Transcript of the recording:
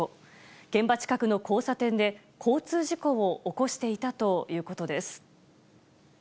現場近くの交差点で、交通事故を起こしていたということです。